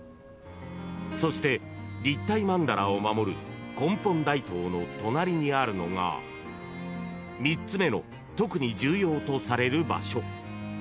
［そして立体曼荼羅を守る根本大塔の隣にあるのが３つ目の特に重要とされる場所］